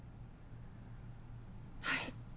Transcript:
はい。